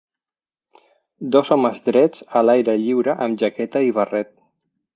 Dos homes drets a l'aire lliure amb jaqueta i barret.